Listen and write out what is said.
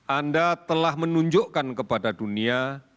anda telah menunjukkan kepada dunia